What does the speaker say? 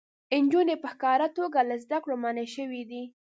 نجونې په ښکاره توګه له زده کړو منع شوې دي.